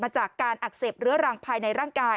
จากการอักเสบเรื้อรังภายในร่างกาย